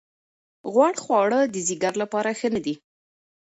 غوړ خواړه د ځیګر لپاره ښه نه دي.